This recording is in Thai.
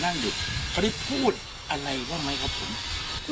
คุณลุงเขานั่งอยู่เขาได้พูดอะไรบ้างมั้ยครับผม